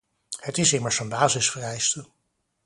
Het is immers een basisvereiste.